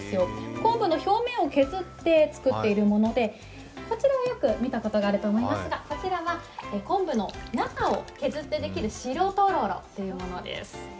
昆布の表面を削って作っているもので、こちらはよく見たことがあると思いますが、こちらは昆布の中を削ってできる白とろろというものです。